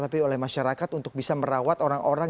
tapi oleh masyarakat untuk bisa merawat orang orang